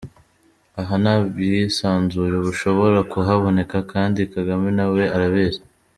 Aha nta bwisanzure bushobora kuhaboneka, kandi Kagame na we arabizi.